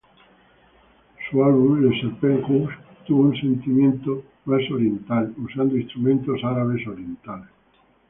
Su álbum Le Serpent Rouge tuvo un sentimiento más oriental usando instrumentos árabe orientales.